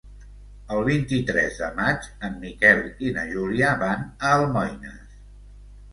El vint-i-tres de maig en Miquel i na Júlia van a Almoines.